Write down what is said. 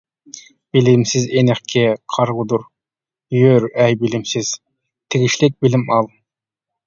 بىلىمسىز، ئېنىقكى، قارىغۇدۇر، يۈر، ئەي بىلىمسىز، تېگىشلىك بىلىم ئال.